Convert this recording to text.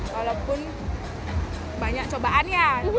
walaupun banyak cobaan ya